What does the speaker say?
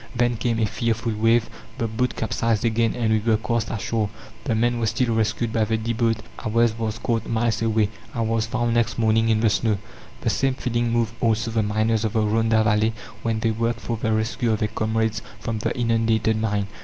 Then came a fearful wave, the boat capsized again, and we were cast ashore. The men were still rescued by the D. boat, ours was caught miles away. I was found next morning in the snow." The same feeling moved also the miners of the Rhonda Valley, when they worked for the rescue of their comrades from the inundated mine.